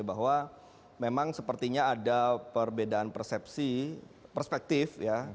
bahwa memang sepertinya ada perbedaan persepsi perspektif ya